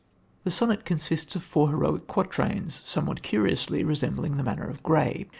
The sonnet consists of four heroic quatrains somewhat curiously resembling the manner of Gray.